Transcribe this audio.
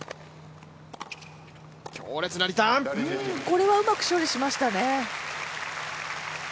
これはうまく処理しましたね。